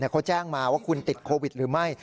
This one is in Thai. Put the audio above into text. แต่คนแจ้งมาว่าควรติดโควิด๑๙หรือไม่